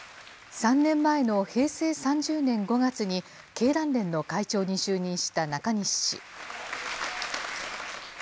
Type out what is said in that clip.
３年前の平成３０年５月に、経団連の会長に就任した中西氏。